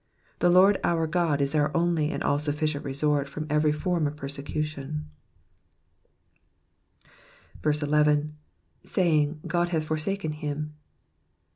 The Lord our God is our only and all sufiScient resort from every form of persecution. 11. ^^ Saying^ Qod hath forsaken him.''